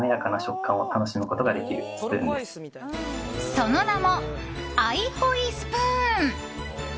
その名もアイホイスプーン！